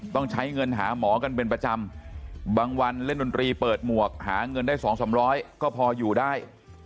ต้องใช้เงินหาหมอกันเป็นประจำบางวันเล่นดนตรีเปิดหมวกหาเงินได้๒๓๐๐ก็พออยู่ได้